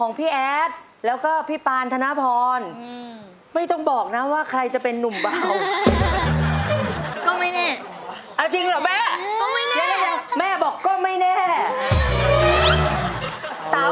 นุ่มเบาสาวปานค่ะ